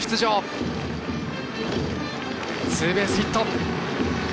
ツーベースヒット。